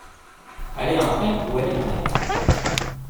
Aller en train ou aller en avion.